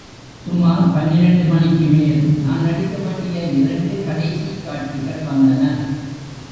சுமார் பன்னிரண்டு மணிக்கு மேல் நான் நடிக்க வேண்டிய இரண்டு கடைசிக் காட்சிகள் வந்தன.